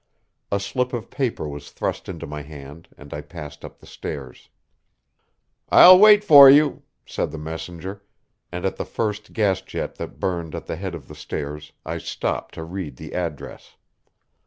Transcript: A slip of paper was thrust into my hand, and I passed up the stairs. "I'll wait for you," said the messenger, and at the first gas jet that burned at the head of the stairs I stopped to read the address.